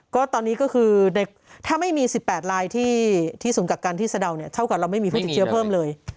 ก็ตอนนี้ก็คือถ้าไม่มี๑๘รายที่ศูนย์กักกันที่สะดาวเนี่ยเท่ากับเราไม่มีผู้ติดเชื้อเพิ่มเลย